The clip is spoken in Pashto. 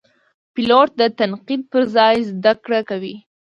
پیلوټ د تنقید پر ځای زده کړه کوي.